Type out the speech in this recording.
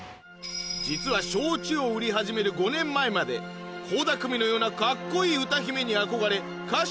実は焼酎を売り始める５年前まで倖田來未のようなカッコいい歌姫に憧れ歌手を目指していた四元さん